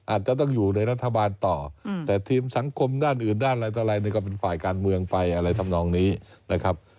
อาจจะต้องอยู่ในรัฐบาลต่อแต่ทีมสังคมด้านอื่นด้านอะไรต่ออะไรก็เป็นฝ่ายการเมืองไปอะไรทำนองนี้นะครับ